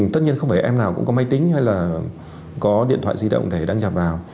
tất nhiên không phải em nào cũng có máy tính hay là có điện thoại di động để đăng nhập vào